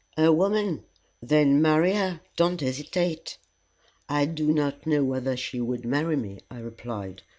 "A woman? Then marry her. Don't hesitate." "I do not know whether she would marry me," I replied.